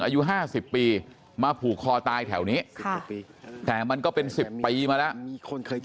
อายุ๕๐ปีมาผูกคอตายแถวนี้แต่มันก็เป็น๑๐ปีมาแล้ว